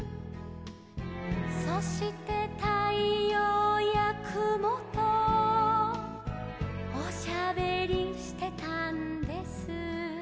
「そしてたいようやくもとおしゃべりしてたんです」